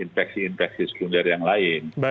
infeksi infeksi sekunder yang lain